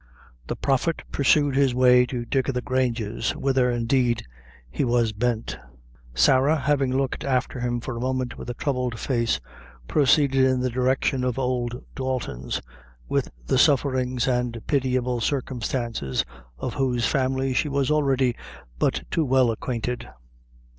The Prophet pursued his way to Dick o' the Grange's, whither, indeed, he was bent; Sarah, having looked after him for a moment with a troubled face, proceeded in the direction of old Dalton's, with the sufferings and pitiable circumstances of whose family she was already but too well acquainted.